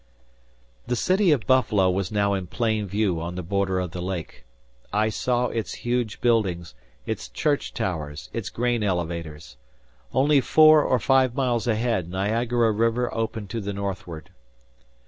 The city of Buffalo was now in plain view on the border of the lake. I saw its huge buildings, its church towers, its grain elevators. Only four or five miles ahead, Niagara river opened to the northward.